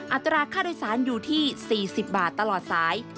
อัตราค่าโดยสารอยู่ที่๔๐บาทตลอดสาย